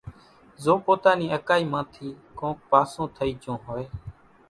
زو پوتا نين اڪائي مان ٿي ڪونڪ پاسون ٿئي جھون ھوئي